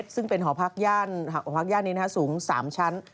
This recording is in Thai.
ซึ่งเป็นหอพักย่านหอพักย่านนี้สูง๓ชั้น